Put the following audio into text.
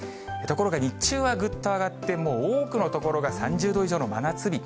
ところが日中はぐっと気温が上がって、もう多くの所が３０度以上の真夏日。